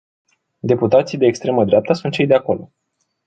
Deputații de extremă dreapta sunt cei de acolo.